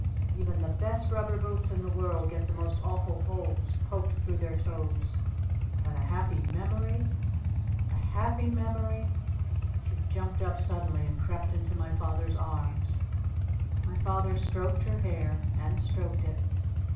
Even the best rubber boots in the world get the most awful holes poked through their toes! But a Happy Memory? A Happy Memory ?" She jumped up suddenly and crept into my Father's arms. My Father stroked her hair. And stroked it.